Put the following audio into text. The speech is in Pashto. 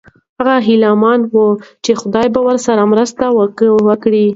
هغه هیله من و چې خدای به ورسره مرسته وکړي.